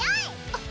あっ